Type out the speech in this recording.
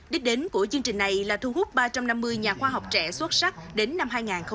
đích đến của chương trình này là thu hút ba trăm năm mươi nhà khoa học trẻ xuất sắc đến năm hai nghìn ba mươi